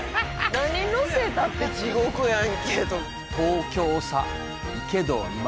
何載せたって地獄やんけと。